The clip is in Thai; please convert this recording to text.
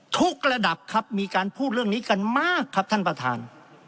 ทุกระดับครับมีการพูดเรื่องนี้กันมากครับท่านประธาน